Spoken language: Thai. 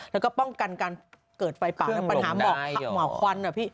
และก็ป้องกันการเกิดไฟปากและปัญหาหม่อควัน